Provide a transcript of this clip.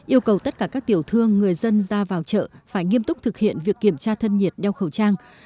yêu cầu tất cả các tiểu thương người dân ra vào chợ phải nghiêm túc thực hiện việc kiểm tra thân nhiệt đeo khẩu trang